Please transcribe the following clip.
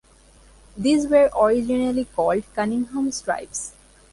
These were originally called "Cunningham stripes".